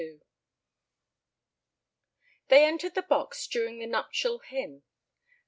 XXII They entered the box during the nuptial hymn.